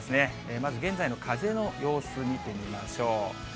まず現在の風の様子見てみましょう。